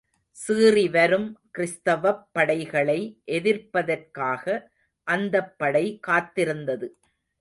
சீறிவரும் கிறிஸ்தவப் படைகளை எதிர்ப்பதற்காக அந்தப்படை காத்திருந்தது.